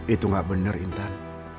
itu enggak benar intan